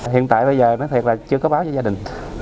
hiện tại bây giờ nói thật là chưa có báo cho gia đình